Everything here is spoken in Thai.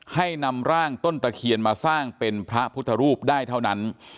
ให้นำร่างต้นตะเคียนมาสร้างเป็นพระพุทธรูปได้เท่านั้น